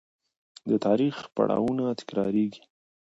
د تاریخ پړاوونه تکرارېږي.